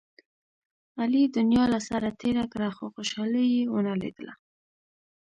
علي دنیا له سره تېره کړه، خو خوشحالي یې و نه لیدله.